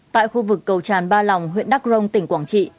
tại khu vực cầu tràn ba lòng huyện đắc rông tỉnh quảng trị